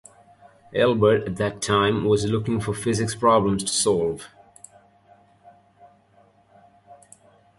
Hilbert at the time was looking for physics problems to solve.